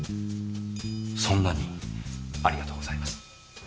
そんなにありがとうございます。